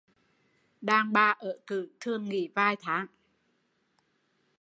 Đàn bà ở cử thường nghỉ vài tháng